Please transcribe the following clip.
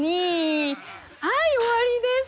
はい終わりです！